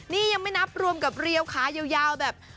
นี่ยังไม่นับรวมกับเรียวขายาวแบบ